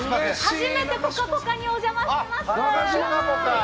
初めて「ぽかぽか」にお邪魔してます。